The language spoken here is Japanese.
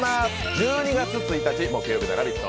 １２月１日木曜日の「ラヴィット！」